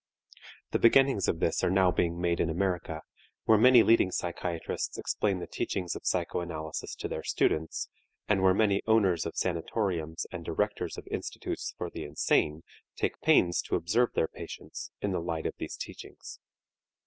The beginnings of this are now being made in America, where many leading psychiatrists explain the teachings of psychoanalysis to their students, and where many owners of sanatoriums and directors of institutes for the insane take pains to observe their patients in the light of these teachings.